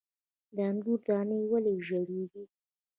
د انګورو دانې ولې رژیږي؟